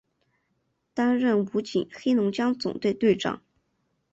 担任武警黑龙江总队队长。